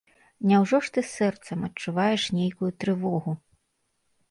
Няўжо ж ты сэрцам адчуваеш нейкую трывогу?